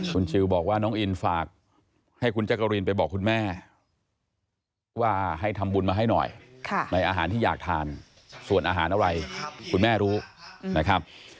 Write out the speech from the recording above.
คุณชิลบอกว่าน้องอินฝากให้คุณจักรินไปบอกคุณแม่ว่าให้ทำบุญมาให้หน่อยในอาหารที่อยากทานส่วนอาหารอะไรคุณแม่รู้นะครับ